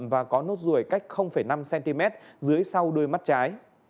và có nốt ruồi cách năm cm dưới sau đuôi mắt trái